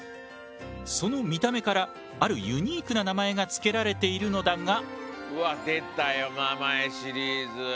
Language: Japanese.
その見た目からあるユニークな名前が付けられているのだが。